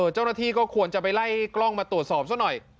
เจ้าหน้าที่ก็ควรจะไปไล่กล้องมาตรวจสอบซะหน่อย